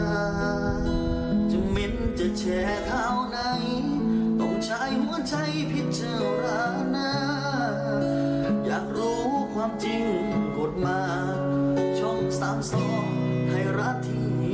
อยากรู้ความจริงกดมาช่องสามสองให้รับทีมี